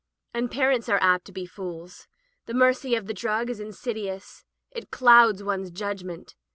And parents are apt to be fools. The mercy of the drug is insidious. It clouds one's judgment.